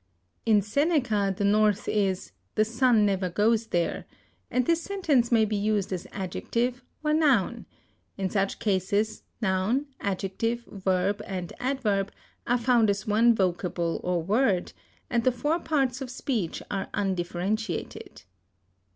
In Seneca the north is the sun never goes there, and this sentence may be used as adjective or noun; in such cases noun, adjective, verb, and adverb are found as one vocable or word, and the four parts of speech are undifferentiated.